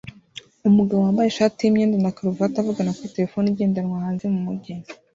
Umugabo wambaye ishati yimyenda na karuvati avugana kuri terefone igendanwa hanze mumujyi